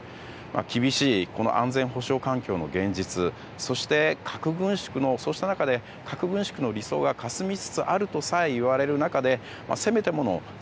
厳しい安全保障環境の現実そして、核軍縮の理想がかすみつつあるとさえ言われる中で、せめてもの